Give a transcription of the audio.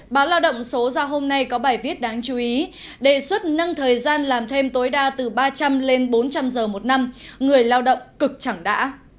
báo lao động số ra hôm nay có bài viết đáng chú ý đề xuất nâng thời gian làm thêm tối đa từ ba trăm linh lên bốn trăm linh giờ một năm người lao động cực chẳng đã